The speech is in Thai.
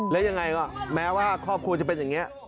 แล้วยังไงก็แม้ว่าครอบครัวจะเป็นอย่างนี้